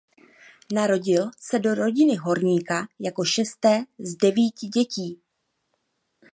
Narodil se do rodiny horníka jako šesté z devíti dětí.